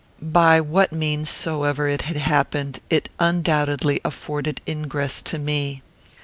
By what means soever it had happened, it undoubtedly afforded ingress to me.